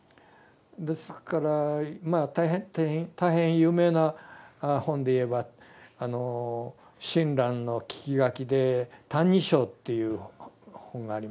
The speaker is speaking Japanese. ですから大変有名な本で言えば親鸞の聞き書きで「歎異抄」っていう本があります。